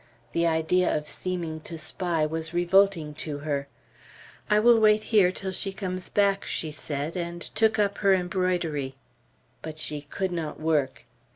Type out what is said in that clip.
The idea of seeming to spy was revolting to her. "I will wait here till she comes back," she said, and took up her embroidery. But she could not work.